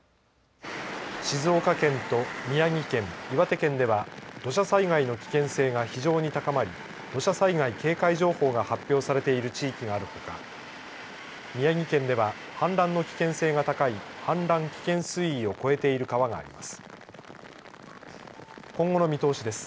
静岡県と宮城県、岩手県では土砂災害の危険性が非常に高まり土砂災害警戒情報が発表されている地域があるほか宮城県では氾濫の危険性が高い氾濫危険水位を超えている川があります。